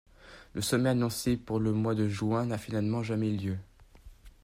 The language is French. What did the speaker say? Le sommet annoncé pour le mois de juin n'a finalement jamais lieu.